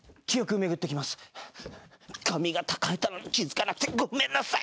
髪形変えたのに気付かなくてごめんなさい。